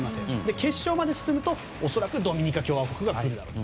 決勝まで進むと恐らくドミニカ共和国だと。